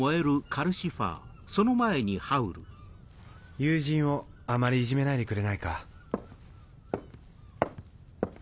友人をあまりいじめないでくれないか。